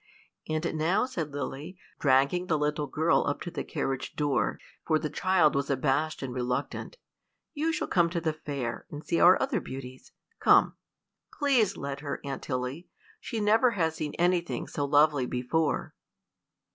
"And now," said Lily, dragging the girl up to the carriage door, for the child was abashed and reluctant, "you shall come to the Fair, and see our other beauties: come. Please let her, Aunt Tilly; she never has seen anything so lovely before."